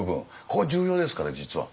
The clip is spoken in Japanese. ここ重要ですから実は。